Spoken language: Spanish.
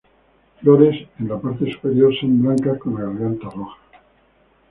Flores en la parte superior, son blancas con la garganta roja.